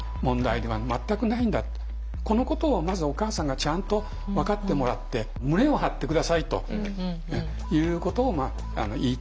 このことをまずお母さんがちゃんと分かってもらって胸を張って下さいということを言いたいなと思いますね。